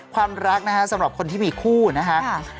ความรักนะฮะสำหรับคนที่มีคู่นะคะ